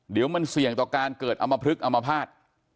เดี๋ยวมันเสี่ยงต่อการเกิดอมพลึกอมภาษณ์